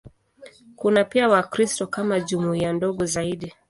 Kuna pia Wakristo kama jumuiya ndogo zaidi.